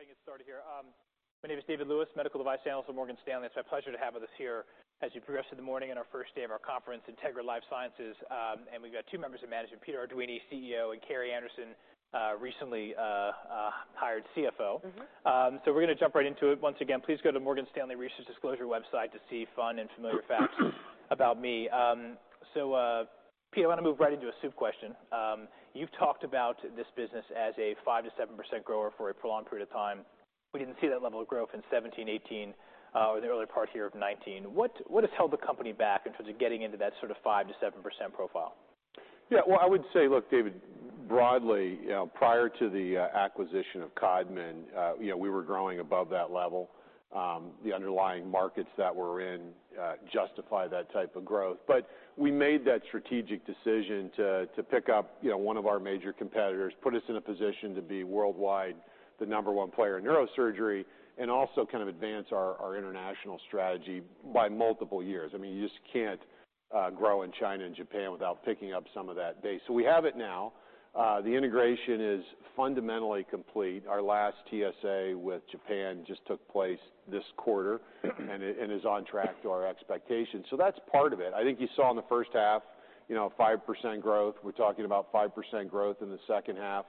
Go ahead and get started here. My name is David Lewis, medical device analyst with Morgan Stanley. It's my pleasure to have with us here as we progress through the morning and our first day of our conference, Integra LifeSciences, and we've got two members of management: Peter Arduini, CEO, and Carrie Anderson, recently hired CFO. Mm-hmm. So we're gonna jump right into it. Once again, please go to the Morgan Stanley Research Disclosure website to see fun and familiar facts about me. So, Pete, I wanna move right into a tough question. You've talked about this business as a 5%-7% grower for a prolonged period of time. We didn't see that level of growth in 2017, 2018, or the earlier part here of 2019. What, what has held the company back in terms of getting into that sort of 5%-7% profile? Yeah. Well, I would say, look, David, broadly, you know, prior to the acquisition of Codman, you know, we were growing above that level. The underlying markets that we're in justify that type of growth. But we made that strategic decision to pick up, you know, one of our major competitors, put us in a position to be worldwide the number one player in neurosurgery, and also kind of advance our international strategy by multiple years. I mean, you just can't grow in China and Japan without picking up some of that base. So we have it now. The integration is fundamentally complete. Our last TSA with Japan just took place this quarter and is on track to our expectations. So that's part of it. I think you saw in the first half, you know, 5% growth. We're talking about 5% growth in the second half.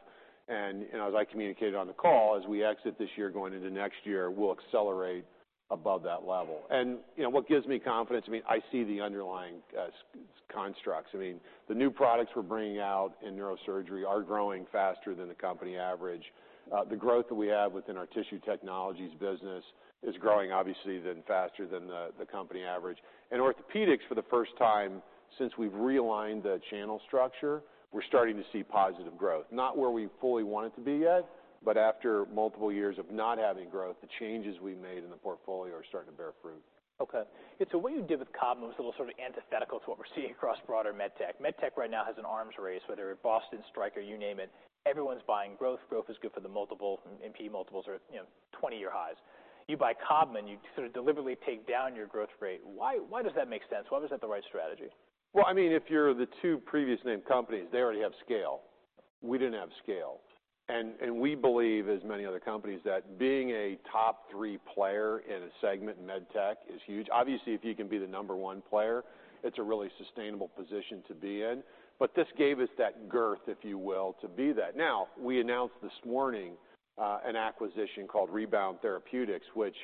You know, as I communicated on the call, as we exit this year going into next year, we'll accelerate above that level. You know, what gives me confidence, I mean, I see the underlying constructs. I mean, the new products we're bringing out in neurosurgery are growing faster than the company average. The growth that we have within our tissue technologies business is growing, obviously, then faster than the company average. Orthopedics, for the first time since we've realigned the channel structure, we're starting to see positive growth. Not where we fully want it to be yet, but after multiple years of not having growth, the changes we've made in the portfolio are starting to bear fruit. Okay, and so what you did with Codman was a little sort of antithetical to what we're seeing across broader med tech. Med tech right now has an arms race, whether Boston Scientific, or you name it. Everyone's buying growth. Growth is good for the multiple, PE multiples or, you know, 20-year highs. You buy Codman, you sort of deliberately take down your growth rate. Why, why does that make sense? Why was that the right strategy? I mean, if you're the two previous named companies, they already have scale. We didn't have scale. And we believe, as many other companies, that being a top three player in a segment in med tech is huge. Obviously, if you can be the number one player, it's a really sustainable position to be in. But this gave us that girth, if you will, to be that. Now, we announced this morning an acquisition called Rebound Therapeutics, which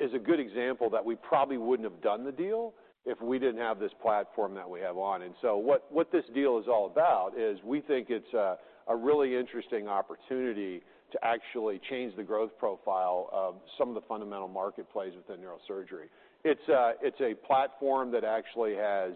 is a good example that we probably wouldn't have done the deal if we didn't have this platform that we have now. And so what this deal is all about is we think it's a really interesting opportunity to actually change the growth profile of some of the fundamental marketplace within neurosurgery. It's a platform that actually has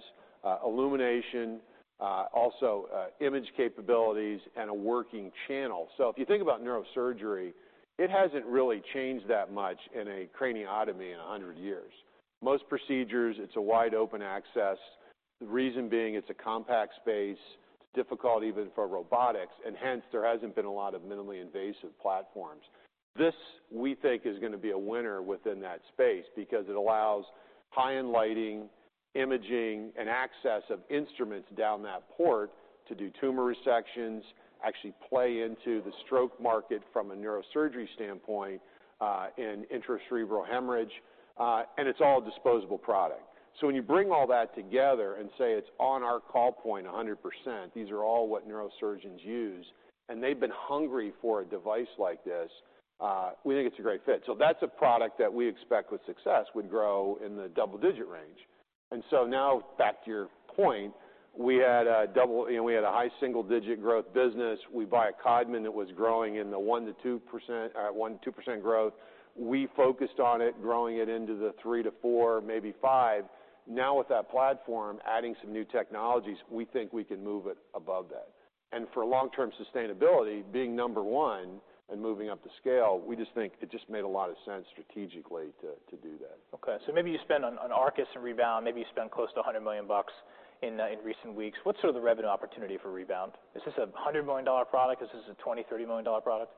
illumination, also image capabilities, and a working channel. So if you think about neurosurgery, it hasn't really changed that much in a craniotomy in 100 years. Most procedures, it's a wide open access. The reason being, it's a compact space. It's difficult even for robotics, and hence there hasn't been a lot of minimally invasive platforms. This, we think, is gonna be a winner within that space because it allows high-end lighting, imaging, and access of instruments down that port to do tumor resections, actually play into the stroke market from a neurosurgery standpoint, and intracerebral hemorrhage. And it's all a disposable product. So when you bring all that together and say it's on our call point 100%, these are all what neurosurgeons use, and they've been hungry for a device like this, we think it's a great fit. So that's a product that we expect with success would grow in the double-digit range. And so now, back to your point, we had, you know, we had a high single-digit growth business. We buy a Codman that was growing in the 1%-2%, 1%-2% growth. We focused on it, growing it into the 3%-4%, maybe 5%. Now, with that platform, adding some new technologies, we think we can move it above that. And for long-term sustainability, being number one and moving up the scale, we just think it just made a lot of sense strategically to do that. Okay. So maybe you spend on Arkis and Rebound. Maybe you spend close to $100 million bucks in recent weeks. What's sort of the revenue opportunity for Rebound? Is this a $100 million dollar product? Is this a $20-$30 million dollar product?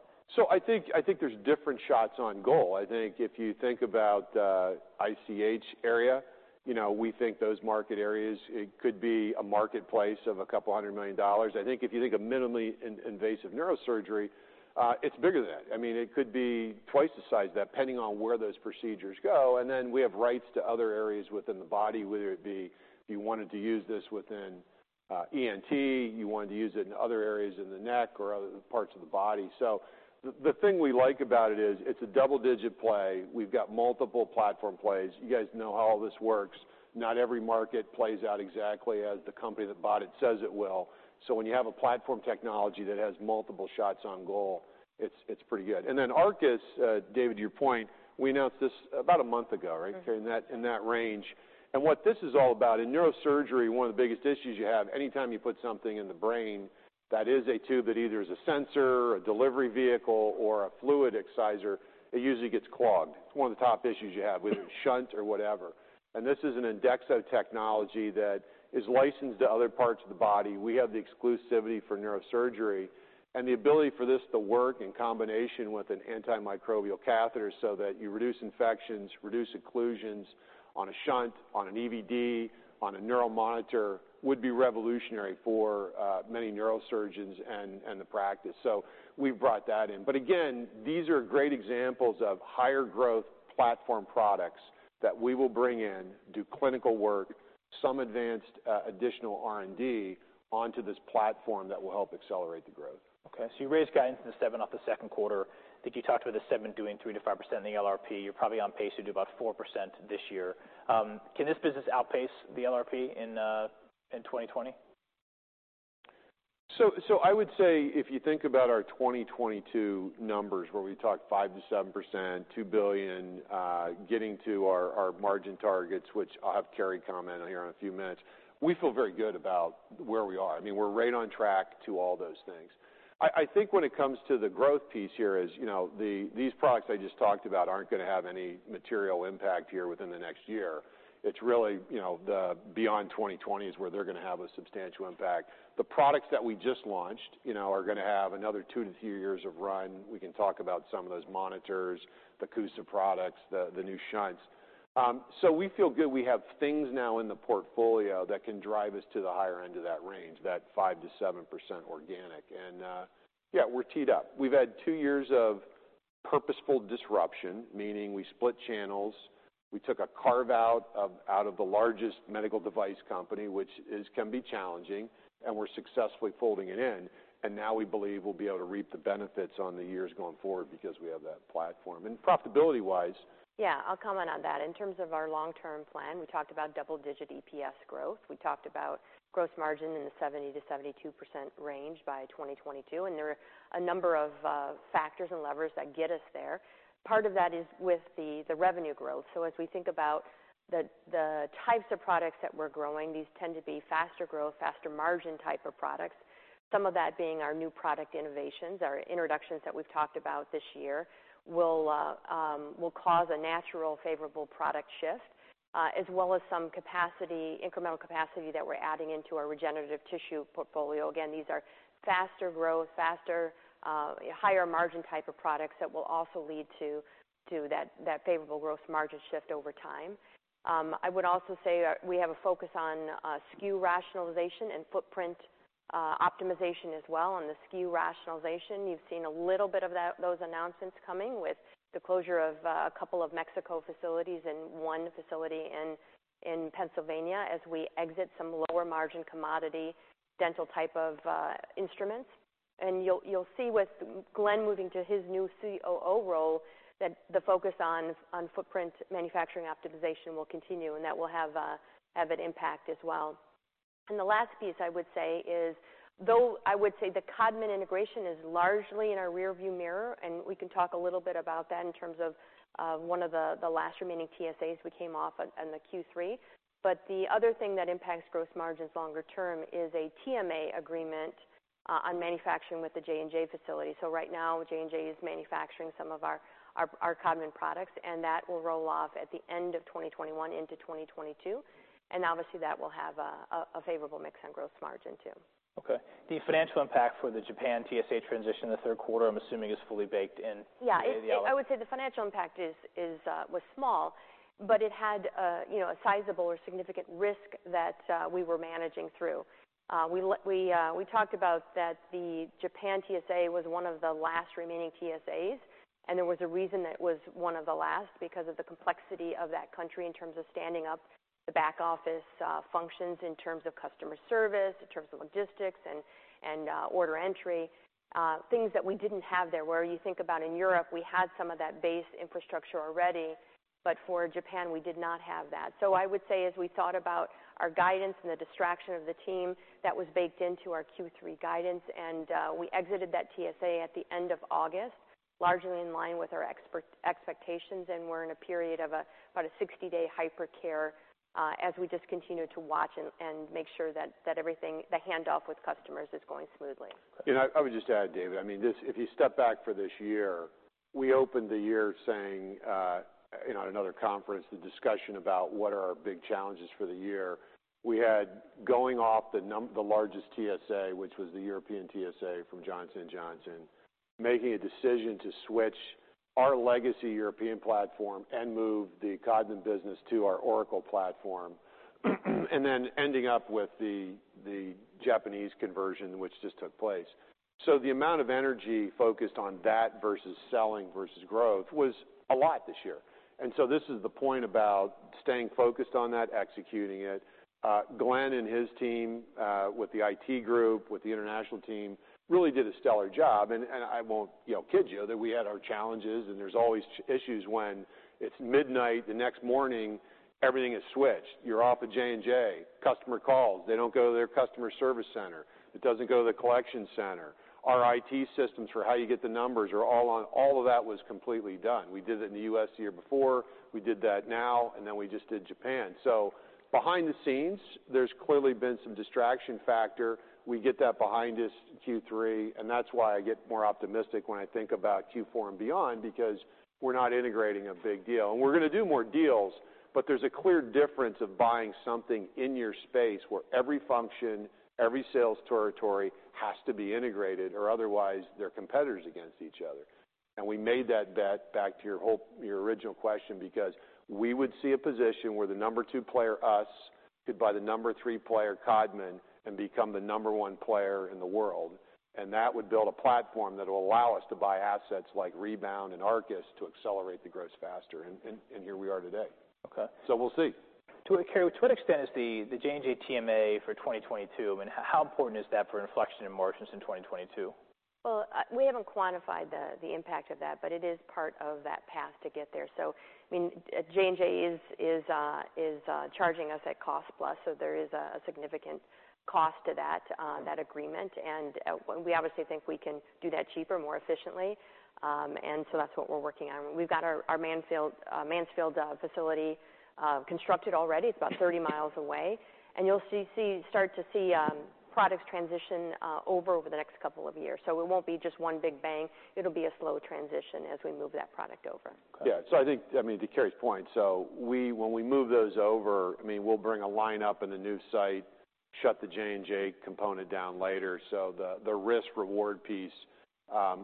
I think, I think there's different shots on goal. I think if you think about ICH area, you know, we think those market areas, it could be a marketplace of a couple million dollars. I think if you think of minimally invasive neurosurgery, it's bigger than that. I mean, it could be twice the size of that, depending on where those procedures go. And then we have rights to other areas within the body, whether it be if you wanted to use this within ENT, you wanted to use it in other areas in the neck or other parts of the body. So the thing we like about it is it's a double-digit play. We've got multiple platform plays. You guys know how all this works. Not every market plays out exactly as the company that bought it says it will. So when you have a platform technology that has multiple shots on goal, it's pretty good. And then Arkis, David, to your point, we announced this about a month ago, right? Mm-hmm. Okay. In that, in that range. And what this is all about in neurosurgery, one of the biggest issues you have, anytime you put something in the brain that is a tube that either is a sensor, a delivery vehicle, or a fluid exciser, it usually gets clogged. It's one of the top issues you have with shunt or whatever. And this is an Endexo technology that is licensed to other parts of the body. We have the exclusivity for neurosurgery. And the ability for this to work in combination with an antimicrobial catheter so that you reduce infections, reduce occlusions on a shunt, on an EVD, on a neural monitor, would be revolutionary for many neurosurgeons and the practice. So we've brought that in. But again, these are great examples of higher growth platform products that we will bring in, do clinical work, some advanced, additional R&D onto this platform that will help accelerate the growth. Okay. So you raised guidance in the Q2 after the second quarter. I think you talked about the segment doing 3%-5% in the LRP. You're probably on pace to do about 4% this year. Can this business outpace the LRP in 2020? So, I would say if you think about our 2022 numbers, where we talked 5%-7%, $2 billion, getting to our margin targets, which I'll have Carrie comment on here in a few minutes, we feel very good about where we are. I mean, we're right on track to all those things. I think when it comes to the growth piece here, you know, these products I just talked about aren't gonna have any material impact here within the next year. It's really, you know, beyond 2020 is where they're gonna have a substantial impact. The products that we just launched, you know, are gonna have another two to three years of run. We can talk about some of those monitors, the CUSA products, the new shunts, so we feel good. We have things now in the portfolio that can drive us to the higher end of that range, that 5%-7% organic. Yeah, we're teed up. We've had two years of purposeful disruption, meaning we split channels. We took a carve-out out of the largest medical device company, which can be challenging, and we're successfully folding it in. Now we believe we'll be able to reap the benefits in the years going forward because we have that platform. Profitability-wise. Yeah. I'll comment on that. In terms of our long-term plan, we talked about double-digit EPS growth. We talked about gross margin in the 70%-72% range by 2022. And there are a number of factors and levers that get us there. Part of that is with the revenue growth. So as we think about the types of products that we're growing, these tend to be faster growth, faster margin type of products. Some of that being our new product innovations, our introductions that we've talked about this year will cause a natural favorable product shift, as well as some capacity, incremental capacity that we're adding into our regenerative tissue portfolio. Again, these are faster growth, higher margin type of products that will also lead to that favorable gross margin shift over time. I would also say, we have a focus on SKU rationalization and footprint optimization as well. On the SKU rationalization, you've seen a little bit of that, those announcements coming with the closure of a couple of Mexico facilities and one facility in Pennsylvania as we exit some lower margin commodity dental type of instruments. And you'll see with Glenn moving to his new COO role that the focus on footprint manufacturing optimization will continue and that will have an impact as well. And the last piece I would say is, though I would say the Codman integration is largely in our rearview mirror, and we can talk a little bit about that in terms of one of the last remaining TSAs we came off and the Q3. But the other thing that impacts gross margins longer term is a TMA agreement on manufacturing with the J&J facility. So right now, J&J is manufacturing some of our Codman products, and that will roll off at the end of 2021 into 2022. And obviously, that will have a favorable mix on gross margin too. Okay. The financial impact for the Japan TSA transition in the third quarter, I'm assuming, is fully baked in. Yeah. It I would say the financial impact was small, but it had, you know, a sizable or significant risk that we were managing through. We talked about that the Japan TSA was one of the last remaining TSAs, and there was a reason that it was one of the last because of the complexity of that country in terms of standing up the back office functions in terms of customer service, in terms of logistics and order entry. Things that we didn't have there where you think about in Europe, we had some of that base infrastructure already, but for Japan, we did not have that. So I would say as we thought about our guidance and the distraction of the team, that was baked into our Q3 guidance. We exited that TSA at the end of August, largely in line with our expert expectations. We're in a period of about a 60-day hypercare, as we just continue to watch and make sure that everything, the handoff with customers, is going smoothly. You know, I would just add, David. I mean, this if you step back for this year, we opened the year saying, you know, at another conference, the discussion about what are our big challenges for the year. We had, going off the number, the largest TSA, which was the European TSA from Johnson & Johnson, making a decision to switch our legacy European platform and move the Codman business to our Oracle platform, and then ending up with the Japanese conversion, which just took place. So the amount of energy focused on that versus selling versus growth was a lot this year. And so this is the point about staying focused on that, executing it. Glenn and his team, with the IT group, with the international team, really did a stellar job. I won't, you know, kid you that we had our challenges, and there's always issues when it's midnight the next morning. Everything is switched. You're off at J&J. Customer calls. They don't go to their customer service center. It doesn't go to the collection center. Our IT systems for how you get the numbers are all on. All of that was completely done. We did it in the U.S. the year before. We did that now, and then we just did Japan. So behind the scenes, there's clearly been some distraction factor. We get that behind us Q3, and that's why I get more optimistic when I think about Q4 and beyond because we're not integrating a big deal. And we're gonna do more deals, but there's a clear difference of buying something in your space where every function, every sales territory has to be integrated or otherwise they're competitors against each other. And we made that bet back to your whole your original question because we would see a position where the number two player, us, could buy the number three player, Codman, and become the number one player in the world. And that would build a platform that'll allow us to buy assets like Rebound and Arkis to accelerate the growth faster. And here we are today. Okay. So we'll see. To what, Carrie, to what extent is the J&J TMA for 2022? I mean, how important is that for inflection in margins in 2022? We haven't quantified the impact of that, but it is part of that path to get there. I mean, J&J is charging us at cost plus. There is a significant cost to that agreement. We obviously think we can do that cheaper, more efficiently, and so that's what we're working on. We've got our Mansfield facility constructed already. It's about 30 miles away. You'll start to see products transition over the next couple of years. It won't be just one big bang. It'll be a slow transition as we move that product over. Okay. Yeah. So I think, I mean, to Carrie's point, so we, when we move those over, I mean, we'll bring a lineup in the new site, shut the J&J component down later. So the risk-reward piece,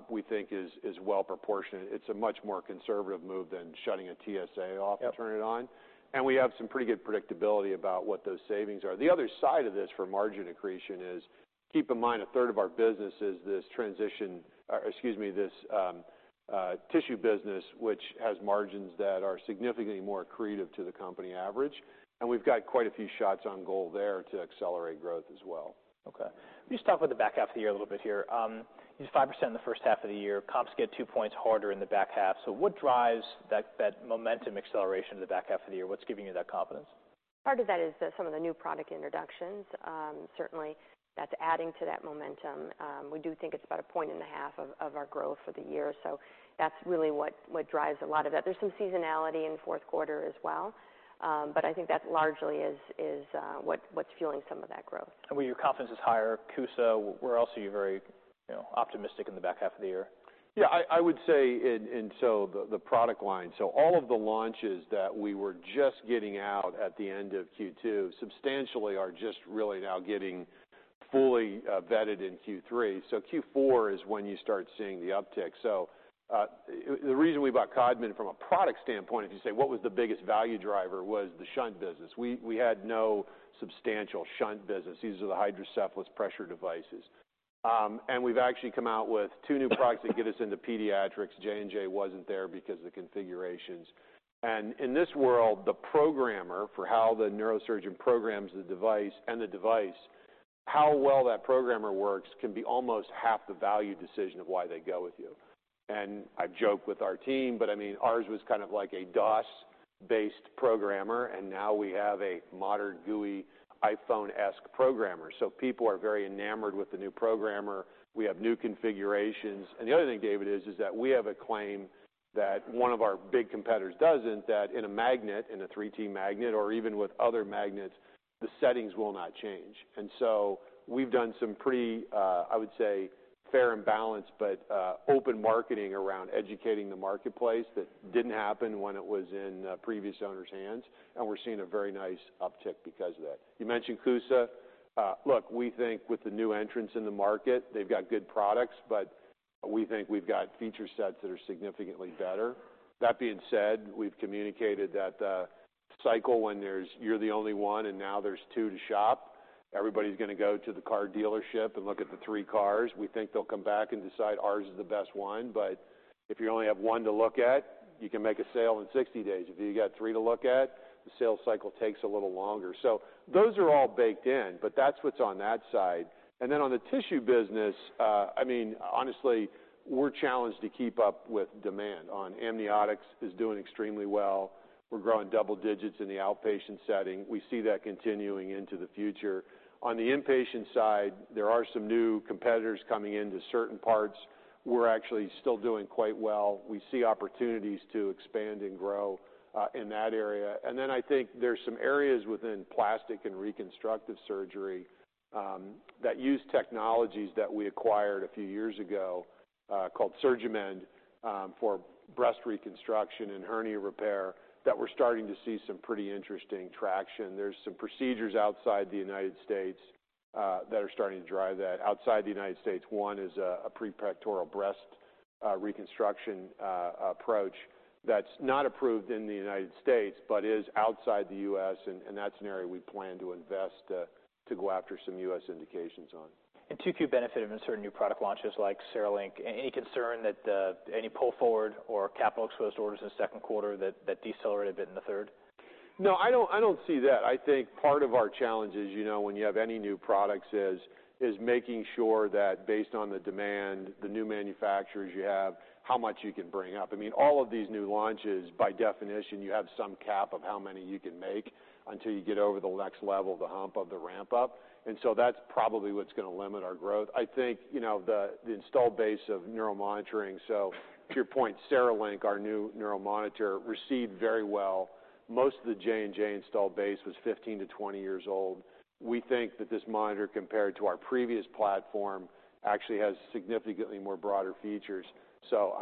we think is well proportioned. It's a much more conservative move than shutting a TSA off and turn it on. Yeah. We have some pretty good predictability about what those savings are. The other side of this for margin accretion is, keep in mind, a third of our business is this transition, or excuse me, this tissue business, which has margins that are significantly more accretive to the company average. We've got quite a few shots on goal there to accelerate growth as well. Okay. Let's talk about the back half of the year a little bit here. You said 5% in the first half of the year. Comps get two points harder in the back half. So what drives that, that momentum acceleration in the back half of the year? What's giving you that confidence? Part of that is some of the new product introductions. Certainly, that's adding to that momentum. We do think it's about a point and a half of our growth for the year. So that's really what drives a lot of that. There's some seasonality in fourth quarter as well. But I think that largely is what's fueling some of that growth. And where your confidence is higher, CUSA, where else are you very, you know, optimistic in the back half of the year? Yeah. I would say in the product line. So all of the launches that we were just getting out at the end of Q2 substantially are just really now getting fully vetted in Q3. So Q4 is when you start seeing the uptick. So the reason we bought Codman from a product standpoint, if you say, "What was the biggest value driver?" was the shunt business. We had no substantial shunt business. These are the hydrocephalus pressure devices, and we've actually come out with two new products that get us into pediatrics. J&J wasn't there because of the configurations. And in this world, the programmer for how the neurosurgeon programs the device and the device, how well that programmer works can be almost half the value decision of why they go with you. And I joke with our team, but I mean, ours was kind of like a DOS-based programmer, and now we have a modern GUI iPhone-esque programmer. So people are very enamored with the new programmer. We have new configurations. And the other thing, David, is that we have a claim that one of our big competitors doesn't, that in a magnet, in a 3T magnet, or even with other magnets, the settings will not change. And so we've done some pretty, I would say fair balance, but open marketing around educating the marketplace that didn't happen when it was in previous owners' hands. And we're seeing a very nice uptick because of that. You mentioned CUSA. Look, we think with the new entrants in the market, they've got good products, but we think we've got feature sets that are significantly better. That being said, we've communicated that the cycle when there's you're the only one and now there's two to shop. Everybody's gonna go to the car dealership and look at the three cars. We think they'll come back and decide ours is the best one. But if you only have one to look at, you can make a sale in 60 days. If you got three to look at, the sales cycle takes a little longer. So those are all baked in, but that's what's on that side. And then on the tissue business, I mean, honestly, we're challenged to keep up with demand on amniotics is doing extremely well. We're growing double digits in the outpatient setting. We see that continuing into the future. On the inpatient side, there are some new competitors coming into certain parts. We're actually still doing quite well. We see opportunities to expand and grow in that area, and then I think there's some areas within plastic and reconstructive surgery that use technologies that we acquired a few years ago, called SurgiMend, for breast reconstruction and hernia repair that we're starting to see some pretty interesting traction. There's some procedures outside the United States that are starting to drive that. Outside the United States, one is a pre-pectoral breast reconstruction approach that's not approved in the United States but is outside the U.S., and that's an area we plan to invest to go after some U.S. indications on. In 2Q, few benefits of certain new product launches like CereLink. Any concern that any pull forward or capital exposed orders in the second quarter that decelerated a bit in the third? No, I don't see that. I think part of our challenges, you know, when you have any new products is making sure that based on the demand, the new manufacturers you have, how much you can bring up. I mean, all of these new launches, by definition, you have some cap of how many you can make until you get over the next level, the hump of the ramp-up. And so that's probably what's gonna limit our growth. I think, you know, the install base of neuromonitoring. So to your point, CereLink, our new neuromonitor, received very well. Most of the J&J install base was 15-20 years old. We think that this monitor, compared to our previous platform, actually has significantly more broader features. So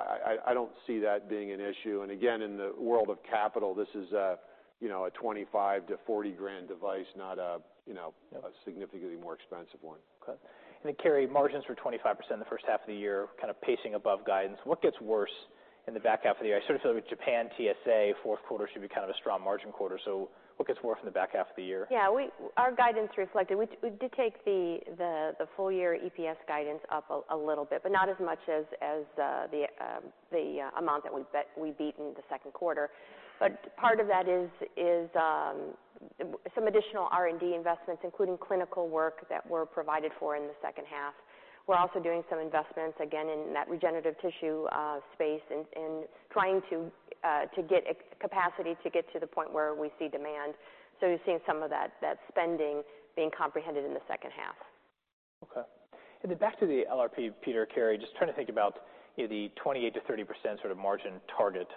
I don't see that being an issue. Again, in the world of capital, this is a, you know, a $25,000-$40,000 device, not a, you know, a significantly more expensive one. Okay. And then, Carrie, margins for 25% in the first half of the year, kind of pacing above guidance. What gets worse in the back half of the year? I sort of feel like with Japan TSA, fourth quarter should be kind of a strong margin quarter. So what gets worse in the back half of the year? Yeah. Our guidance reflected, we did take the full year EPS guidance up a little bit, but not as much as the amount that we beat in the second quarter. But part of that is some additional R&D investments, including clinical work that we're provided for in the second half. We're also doing some investments, again, in that regenerative tissue space and trying to get a capacity to get to the point where we see demand. So you're seeing some of that spending being comprehended in the second half. Okay. And then back to the LRP, Peter, Carrie, just trying to think about, you know, the 28%-30% sort of margin target.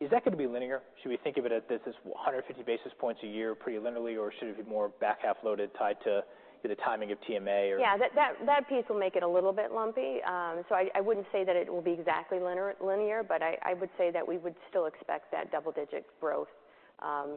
Is that gonna be linear? Should we think of it as this is 150 basis points a year pretty linearly, or should it be more back half loaded tied to, you know, the timing of TMA or? Yeah. That piece will make it a little bit lumpy. So I wouldn't say that it will be exactly linear-linear, but I would say that we would still expect that double digit growth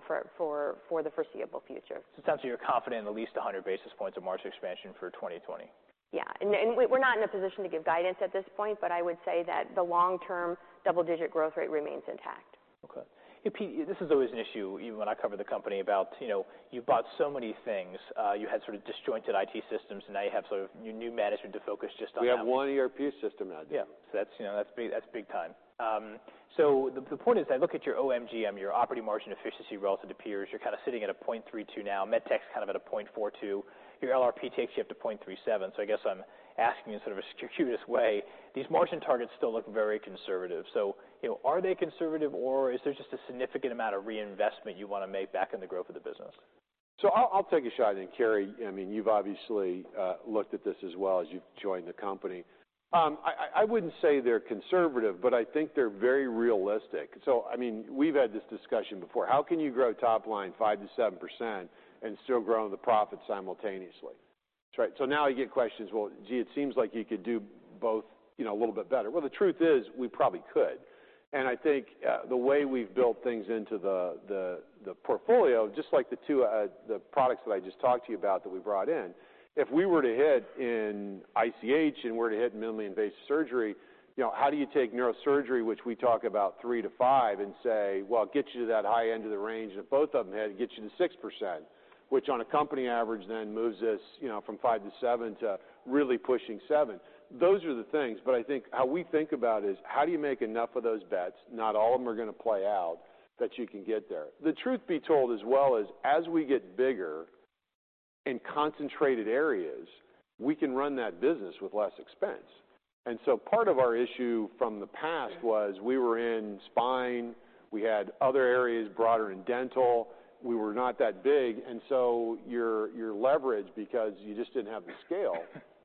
for the foreseeable future. So it sounds like you're confident in at least 100 basis points of margin expansion for 2020. Yeah. And we, we're not in a position to give guidance at this point, but I would say that the long-term double digit growth rate remains intact. Okay. Hey, Pete, this is always an issue, even when I cover the company, about, you know, you bought so many things. You had sort of disjointed IT systems, and now you have sort of new management to focus just on that. We have one ERP system now. Yeah. So that's, you know, that's big, that's big time. So the point is I look at your OM/GM, your operating margin efficiency relative to peers. You're kind of sitting at a 0.32 now. MedTech's kind of at a 0.42. Your LRP takes you up to 0.37. So I guess I'm asking you in sort of a circuitous way, these margin targets still look very conservative. So, you know, are they conservative, or is there just a significant amount of reinvestment you wanna make back in the growth of the business? I'll take a shot at it, Carrie. I mean, you've obviously looked at this as well as you've joined the company. I wouldn't say they're conservative, but I think they're very realistic. I mean, we've had this discussion before. How can you grow top line 5%-7% and still grow the profit simultaneously? Right. So now I get questions, "Well, gee, it seems like you could do both, you know, a little bit better." Well, the truth is we probably could. I think the way we've built things into the portfolio, just like the two products that I just talked to you about that we brought in, if we were to hit in ICH and we're to hit minimally invasive surgery, you know, how do you take neurosurgery, which we talk about three to five, and say, "Well, get you to that high end of the range," and if both of them hit, get you to 6%, which on a company average then moves us, you know, from 5%-7% to really pushing 7%. Those are the things, but I think how we think about it is how do you make enough of those bets? Not all of them are gonna play out that you can get there. The truth be told as well is as we get bigger in concentrated areas, we can run that business with less expense. So part of our issue from the past was we were in spine. We had other areas, broader in dental. We were not that big. And so your leverage, because you just didn't have the scale,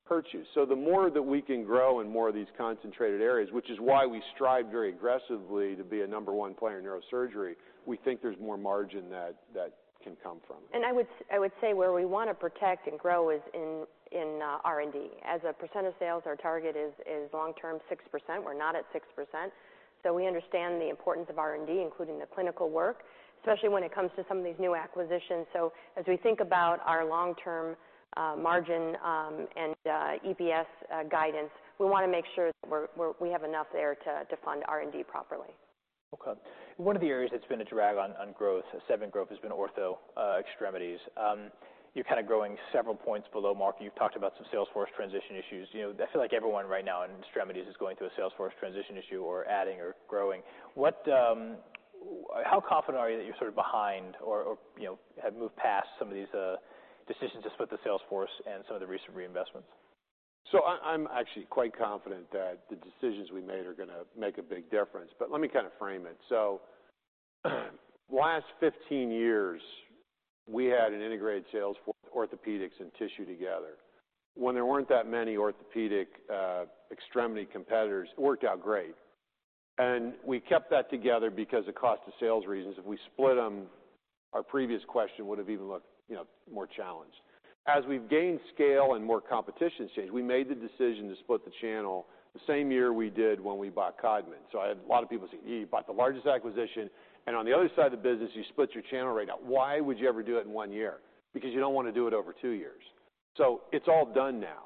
hurts you. So the more that we can grow in more of these concentrated areas, which is why we strive very aggressively to be a number one player in neurosurgery, we think there's more margin that can come from. I would say where we want to protect and grow is in R&D. As a percent of sales, our target is long-term 6%. We're not at 6%. So we understand the importance of R&D, including the clinical work, especially when it comes to some of these new acquisitions. So as we think about our long-term margin and EPS guidance, we want to make sure that we have enough there to fund R&D properly. Okay. One of the areas that's been a drag on growth, revenue growth, has been ortho extremities. You're kind of growing several points below market. You've talked about some sales force transition issues. You know, I feel like everyone right now in extremities is going through a sales force transition issue or adding or growing. What, how confident are you that you're sort of behind or, or, you know, have moved past some of these decisions to split the sales force and some of the recent reinvestments? I'm actually quite confident that the decisions we made are gonna make a big difference, but let me kind of frame it. Last 15 years, we had an integrated sales force orthopedics and tissue together. When there weren't that many orthopedic extremity competitors, it worked out great. We kept that together because of cost of sales reasons. If we split them, our previous quarter would've even looked, you know, more challenged. As we've gained scale and the competition has changed, we made the decision to split the channel the same year we did when we bought Codman. I had a lot of people say, "Yeah, you bought the largest acquisition. And on the other side of the business, you split your channel right now." Why would you ever do it in one year? Because you don't wanna do it over two years. It's all done now.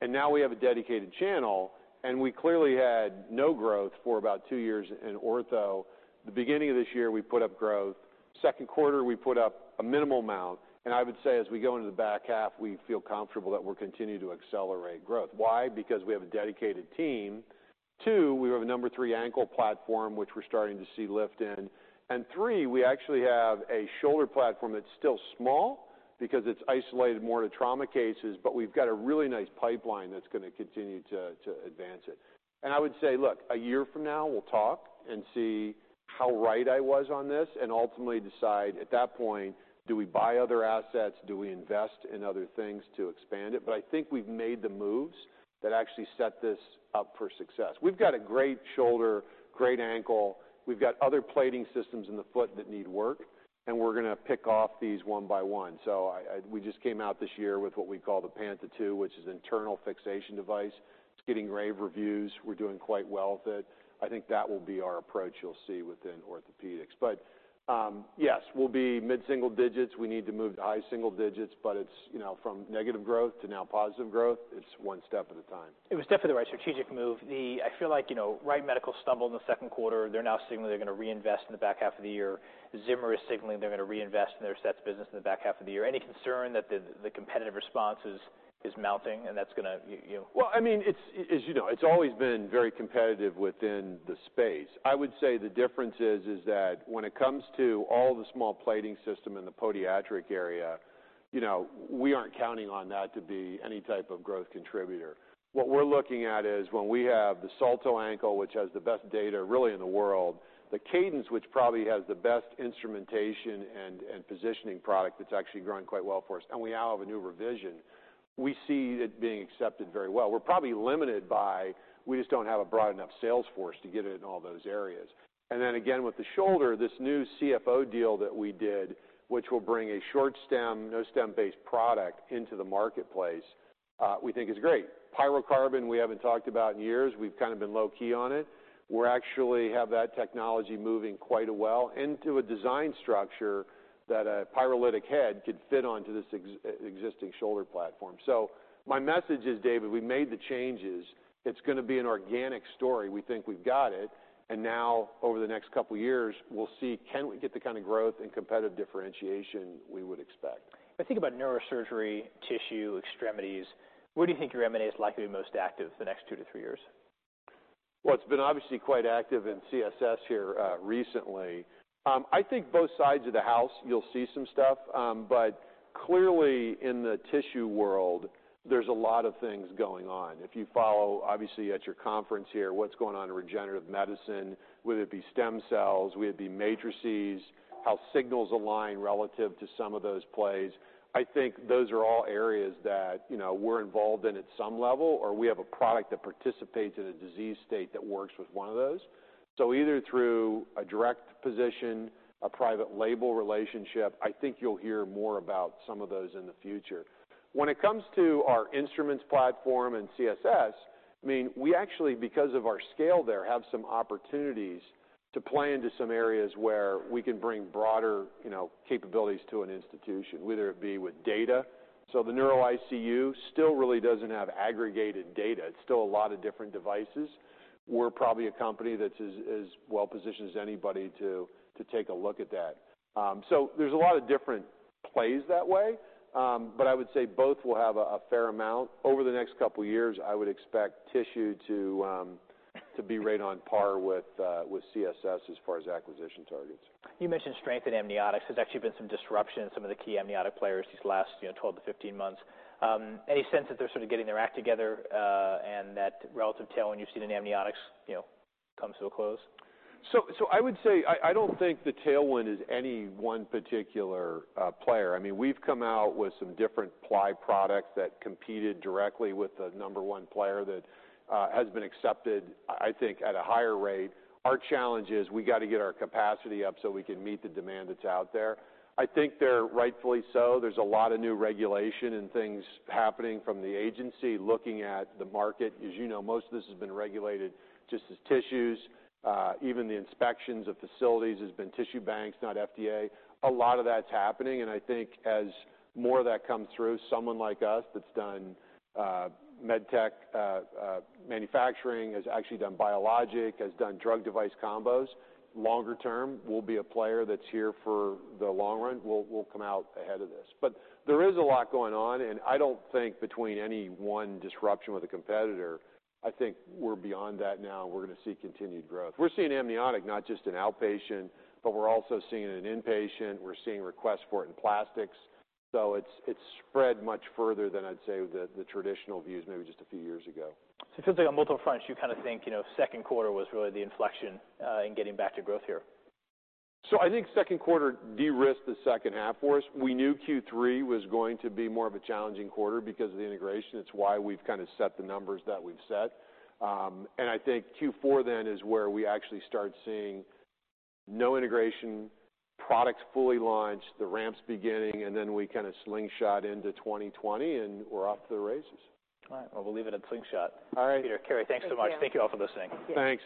Now we have a dedicated channel, and we clearly had no growth for about two years in ortho. The beginning of this year, we put up growth. Second quarter, we put up a minimal amount. And I would say as we go into the back half, we feel comfortable that we're continuing to accelerate growth. Why? Because we have a dedicated team. Two, we have a number three ankle platform, which we're starting to see lift in. And three, we actually have a shoulder platform that's still small because it's isolated more to trauma cases, but we've got a really nice pipeline that's gonna continue to advance it. And I would say, look, a year from now, we'll talk and see how right I was on this and ultimately decide at that point, do we buy other assets, do we invest in other things to expand it? But I think we've made the moves that actually set this up for success. We've got a great shoulder, great ankle. We've got other plating systems in the foot that need work, and we're gonna pick off these one by one. So, we just came out this year with what we call the Panta 2, which is an internal fixation device. It's getting rave reviews. We're doing quite well with it. I think that will be our approach you'll see within orthopedics. But, yes, we'll be mid-single digits. We need to move to high single digits, but it's, you know, from negative growth to now positive growth. It's one step at a time. It was definitely the right strategic move. I feel like, you know, Wright Medical stumbled in the second quarter. They're now signaling they're gonna reinvest in the back half of the year. Zimmer is signaling they're gonna reinvest in their sets business in the back half of the year. Any concern that the competitive response is mounting and that's gonna, you know? I mean, it's, as you know, it's always been very competitive within the space. I would say the difference is that when it comes to all the small plating system in the podiatric area, you know, we aren't counting on that to be any type of growth contributor. What we're looking at is when we have the Salto ankle, which has the best data really in the world, the Cadence, which probably has the best instrumentation and positioning product that's actually growing quite well for us, and we now have a new revision, we see it being accepted very well. We're probably limited by we just don't have a broad enough sales force to get it in all those areas. Then again, with the shoulder, this new CFO deal that we did, which will bring a short stem, no stem-based product into the marketplace, we think is great. Pyrocarbon, we haven't talked about in years. We've kind of been low-key on it. We actually have that technology moving quite well into a design structure that a pyrolytic head could fit onto this existing shoulder platform. So my message is, David, we made the changes. It's gonna be an organic story. We think we've got it. And now, over the next couple of years, we'll see, can we get the kind of growth and competitive differentiation we would expect? When I think about neurosurgery, tissue, extremities, where do you think your M&A's likely to be most active the next two to three years? It's been obviously quite active in CSS here, recently. I think both sides of the house, you'll see some stuff. But clearly in the tissue world, there's a lot of things going on. If you follow, obviously, at your conference here, what's going on in regenerative medicine, whether it be stem cells, whether it be matrices, how signals align relative to some of those plays, I think those are all areas that, you know, we're involved in at some level or we have a product that participates in a disease state that works with one of those. So either through a direct position, a private label relationship, I think you'll hear more about some of those in the future. When it comes to our instruments platform and CSS, I mean, we actually, because of our scale there, have some opportunities to play into some areas where we can bring broader, you know, capabilities to an institution, whether it be with data. So the neuro ICU still really doesn't have aggregated data. It's still a lot of different devices. We're probably a company that's as, as well positioned as anybody to, to take a look at that. So there's a lot of different plays that way. But I would say both will have a, a fair amount. Over the next couple of years, I would expect tissue to, to be right on par with, with CSS as far as acquisition targets. You mentioned strength in amniotics. There's actually been some disruption in some of the key amniotic players these last, you know, 12 to 15 months. Any sense that they're sort of getting their act together, and that relative tail when you've seen in amniotics, you know, comes to a close? I would say I don't think the tailwind is any one particular player. I mean, we've come out with some different ply products that competed directly with the number one player that has been accepted, I think, at a higher rate. Our challenge is we gotta get our capacity up so we can meet the demand that's out there. I think they're rightfully so. There's a lot of new regulation and things happening from the agency looking at the market. As you know, most of this has been regulated just as tissues. Even the inspections of facilities has been tissue banks, not FDA. A lot of that's happening. And I think as more of that comes through, someone like us that's done medtech manufacturing, has actually done biologic, has done drug device combos. Longer term, we'll be a player that's here for the long run. We'll come out ahead of this. But there is a lot going on, and I don't think between any one disruption with a competitor, I think we're beyond that now. We're gonna see continued growth. We're seeing amniotic not just in outpatient, but we're also seeing it in inpatient. We're seeing requests for it in plastics. So it's spread much further than I'd say the traditional views maybe just a few years ago. So it feels like on both of the fronts, you kind of think, you know, second quarter was really the inflection in getting back to growth here. So I think second quarter de-risked the second half for us. We knew Q3 was going to be more of a challenging quarter because of the integration. It's why we've kind of set the numbers that we've set, and I think Q4 then is where we actually start seeing no integration, products fully launched, the ramp's beginning, and then we kind of slingshot into 2020, and we're off to the races. All right. Well, we'll leave it at slingshot. All right. Peter, Carrie, thanks so much. Thank you all for listening. Thanks.